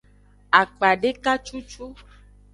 Akpadeka cucu.